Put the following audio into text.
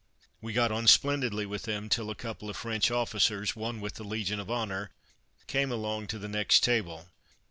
We got on splendidly with them till a couple of French officers, one with the Legion of Honour, came along to the next table.